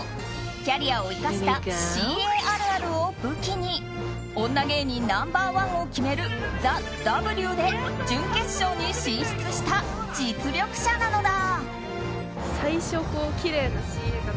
キャリアを生かしたＣＡあるあるを武器に女芸人ナンバー１を決める「ＴＨＥＷ」で準決勝に進出した実力者なのだ。